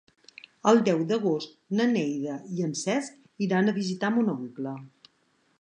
El deu d'agost na Neida i en Cesc iran a visitar mon oncle.